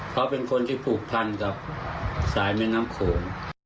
เขาเป็นคนที่ผูกพันกับสายแม่น้ำโขง